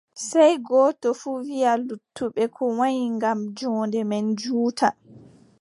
Sey gooto fuu wiʼa luttuɓe ko wanyi ngam joonde meen juuta.